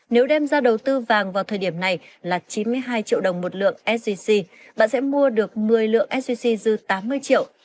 nếu đem ra đầu tư vàng vào thời điểm này là chín mươi hai triệu đồng một lượng sgc bạn sẽ mua được một mươi lượng sgc dư tám mươi triệu